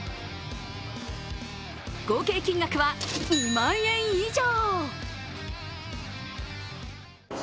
合計金額は２万円以上。